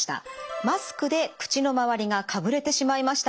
マスクで口の周りがかぶれてしまいました。